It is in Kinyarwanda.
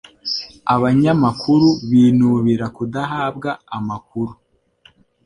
Abanyamakuru binubira kudahabwa amakuru